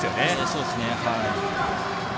そうですね。